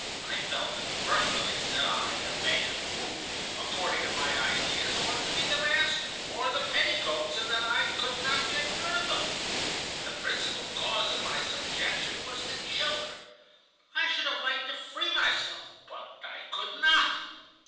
I felt, in the first place, that I, a man, who, according to my ideas, ought to be the master, wore the petticoats, and that I could not get rid of them. The principal cause of my subjection was the children. I should have liked to free myself, but I could not.